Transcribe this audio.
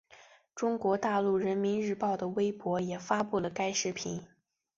中国大陆人民日报的微博也发布了该视频。